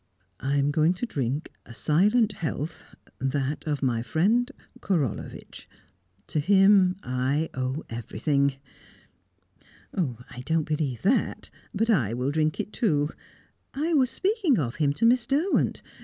"I am going to drink a silent health that of my friend Korolevitch. To him I owe everything." "I don't believe that, but I will drink it too I was speaking of him to Miss Derwent.